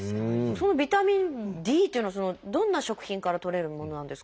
そのビタミンＤというのはどんな食品からとれるものなんですか？